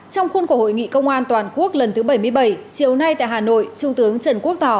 trong khuôn khổ hội nghị công an toàn quốc lần thứ bảy mươi bảy chiều nay tại hà nội trung tướng trần quốc tỏ